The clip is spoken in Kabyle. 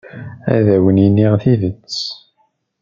Ad awen-iniɣ tidet.